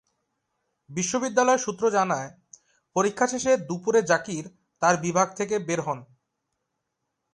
বিশ্ববিদ্যালয় সূত্র জানায়, পরীক্ষা শেষে দুপুরে জাকির তাঁর বিভাগ থেকে বের হন।